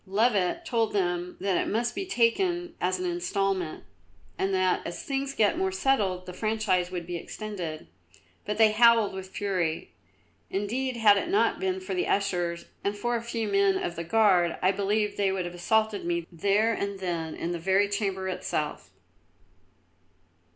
Louvet told them that it must be taken as an instalment, and that as things got more settled the franchise would be extended; but they howled with fury. Indeed, had it not been for the ushers and for a few men of the Guard, I believe they would have assaulted me there and then in the very Chamber itself.